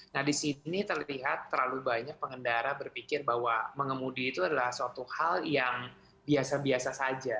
nah di sini terlihat terlalu banyak pengendara berpikir bahwa mengemudi itu adalah suatu hal yang biasa biasa saja